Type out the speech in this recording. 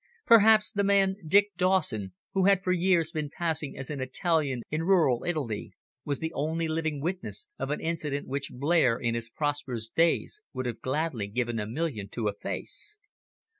Perhaps the man Dick Dawson, who had for years been passing as an Italian in rural Italy, was the only living witness of an incident which Blair, in his prosperous days, would have gladly given a million to efface.